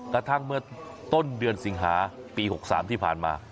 กระทั่งเมื่อต้นเดือนสิงหาปี๖๓ที่ผ่านมา